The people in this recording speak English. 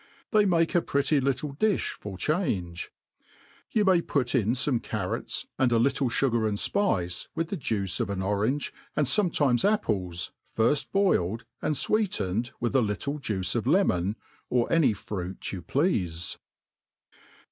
They make a pretty little di(h for change. You may put in fome carrots, and a little fugar and fpice, with the juice of In orange, and fometimes apples, firft boiled and fweet<ined| widi a little juice of lemon, or any fruit you pleafe.